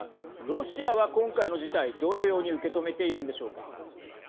ロシアは今回の事態どのように受け止めているんでしょうか。